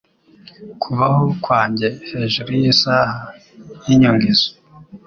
Kubaho kwanjye hejuru yisaha y’inyongezo